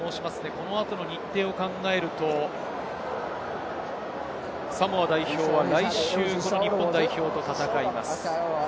この後の日程を考えると、サモア代表は来週、日本代表と戦います。